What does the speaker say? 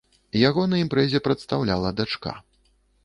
Яго на імпрэзе прадстаўляла дачка.